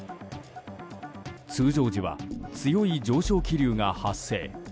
通常時は強い上昇気流が発生。